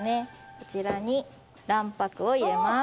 こちらに卵白を入れます。